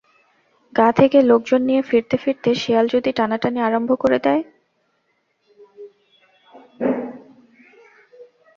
গাঁ থেকে লোকজন নিয়ে ফিরতে ফিরতে শেয়াল যদি টানাটানি আরম্ভ করে দেয়?